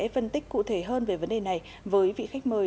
phân tích cụ thể hơn về vấn đề này với vị khách mời